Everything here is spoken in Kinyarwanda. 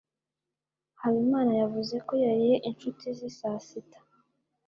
habimana yavuze ko yariye inshuti ze saa sita